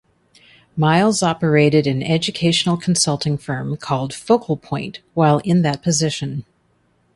Miles operated an educational consulting firm called Focal Point while in that position.